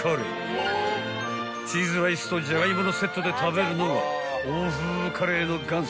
［チーズライスとジャガイモのセットで食べるのが欧風カレーの元祖